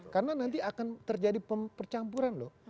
karena nanti akan terjadi percampuran loh